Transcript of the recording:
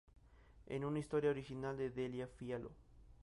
Es una historia original de Delia Fiallo.